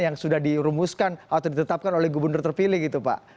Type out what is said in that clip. yang sudah dirumuskan atau ditetapkan oleh gubernur terpilih gitu pak